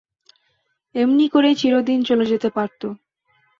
এমনি করেই চিরদিন চলে যেতে পারত।